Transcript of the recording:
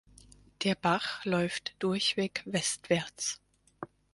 Der Bach läuft durchweg westwärts.